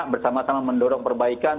bersama sama mendorong perbaikan